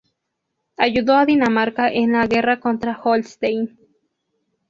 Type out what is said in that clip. Ayudó a Dinamarca en la guerra contra Holstein.